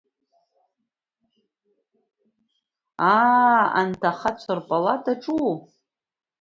Аа, анҭ ахацәа рпалатаҿу?